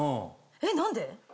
えっ何で？